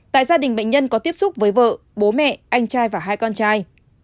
tại gia đình bệnh nhân có tiếp xúc với vợ bố mẹ anh trai và hai con trai